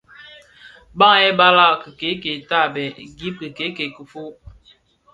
Bàng yêê balag kikèèkel tààbêê, gib lóng kikèèkel kifôg.